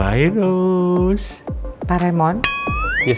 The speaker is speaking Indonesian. supaya bisa lebih sering bertemu dengan kamu